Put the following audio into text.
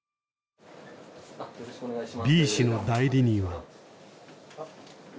Ｂ氏の代理人は。